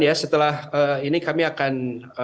dan setelah ini kami akan